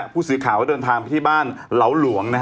ผู้สื่อข่าวก็เดินทางไปที่บ้านเหลาหลวง